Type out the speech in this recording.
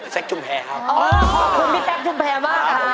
แซ่กชุมแพร่ครับครับก่อนอ่ะครับ